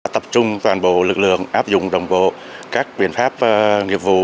tập trung toàn bộ lực lượng áp dụng đồng bộ các biện pháp nghiệp vụ